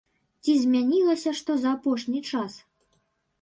Ці змянілася што за апошні час?